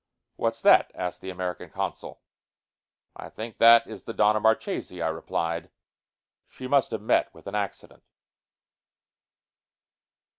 "What's that?" asked the American consul. "I think that is the Donna Marchesi," I replied. "She must have met with an accident."